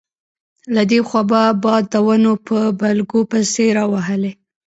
له دې خوا به باد د ونو په بلګو پسې راوهلې.